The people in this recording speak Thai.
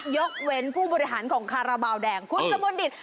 ยกเว้นผู้บริหารของขาระเบาแดงคุณสมดิต